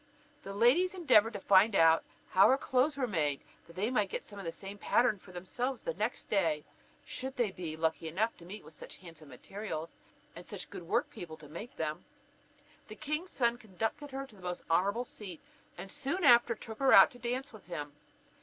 The ladies endeavoured to find out how her clothes were made, that they might get some of the same pattern for themselves by the next day, should they be lucky enough to meet with such handsome materials, and such good work people to make them. The king's son conducted her to the most honourable seat, and soon after took her out to dance with him.